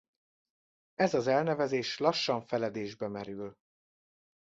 Ez az elnevezés lassan feledésbe merül.